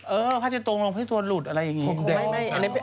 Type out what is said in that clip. เออพาทีตรงลงให้ตัวหลุดอะไรอย่างงี้